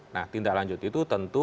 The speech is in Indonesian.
nah tindak lanjut itu tentu